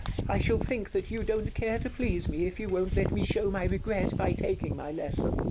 ] I shall think that you don't care to please me if you won't let me show my regret by taking my lesson.